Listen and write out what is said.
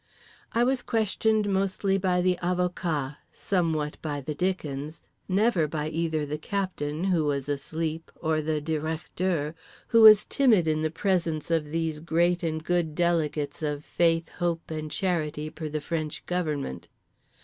_" I was questioned mostly by the avocat, somewhat by the Dickens, never by either the captain (who was asleep) or the Directeur (who was timid in the presence of these great and good delegates of hope, faith and charity per the French Government).